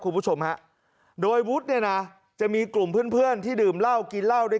ครูผู้ชมโดยวุฒิจะมีกลุ่มเพื่อนที่ดื่มเหล้ากินเหล้าด้วย